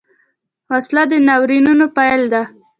وسله د ناورینونو پیل ده